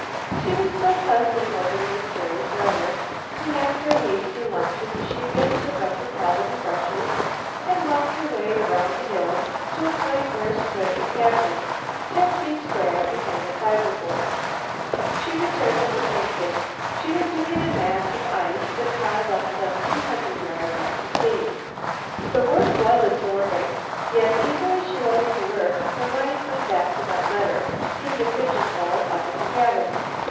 She was still puzzling over the mysterious letter when, after a hasty luncheon, she again took up her palette and brushes and wound her way around the hill to a point where stood a cabinet, ten feet square and made of fiber board. She returned to her painting. She was doing a mass of ice that was piling some two hundred yards out to sea. The work was absorbing, yet, eager as she was to work, her mind went back to that letter in the pigeon hole up in the cabin.